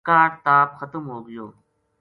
کاہڈ تاپ ختم ہو گیو